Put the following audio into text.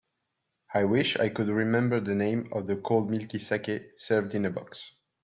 I wish I could remember the name of the cold milky saké served in a box.